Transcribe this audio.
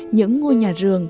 những ngôi nhà giường